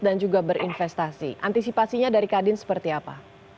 dan juga berinvestasi antisipasinya dari kadin seperti apa